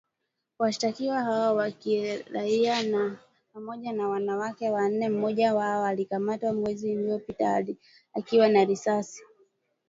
Washtakiwa hao wa kiraia na pamoja na wanawake wanne, mmoja wao alikamatwa mwezi uliopita akiwa na risasi.